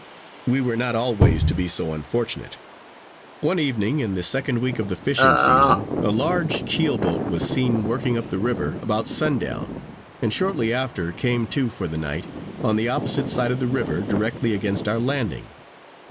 We were not always to be so unfortunate. One evening, in the second week of the fishing season, a large keel boat was seen working up the river about sundown; and shortly after, came to for the night, on the opposite side of the river, directly against our landing.